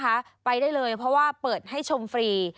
ไปได้เลยเพราะว่าเปิดให้ชมฟรี